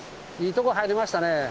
いいとこ入りましたね。